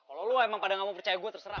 kalau lo emang pada gak mau percaya gue terserah